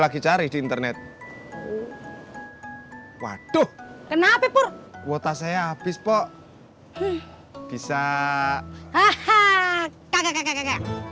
lagi cari di internet waduh kenapa pur kuota saya habis kok bisa hahaha kagak kagak kagak